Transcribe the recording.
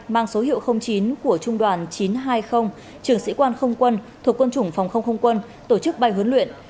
mang số hiệu chín của trung đoàn chín trăm hai mươi trường sĩ quan không quân thuộc quân chủng phòng không không quân tổ chức bay huấn luyện